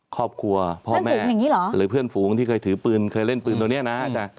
ครอบครัวพ่อแม่หรือเพื่อนฝูงที่เคยถือปืนเคยเล่นปืนตัวนี้นะ